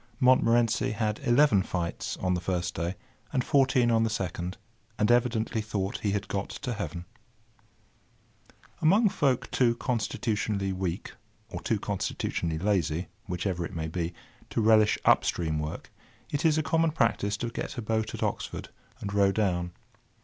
Montmorency had eleven fights on the first day, and fourteen on the second, and evidently thought he had got to heaven. [Picture: Dogs fighting] Among folk too constitutionally weak, or too constitutionally lazy, whichever it may be, to relish up stream work, it is a common practice to get a boat at Oxford, and row down.